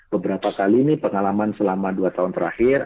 beberapa kali ini pengalaman selama dua tahun terakhir